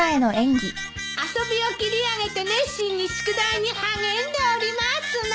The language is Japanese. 遊びを切り上げて熱心に宿題に励んでおりますの。